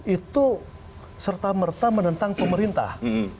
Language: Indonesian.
itu serta merta menentang pemerintah